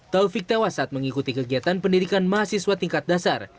taufik tawasat mengikuti kegiatan pendidikan mahasiswa tingkat dasar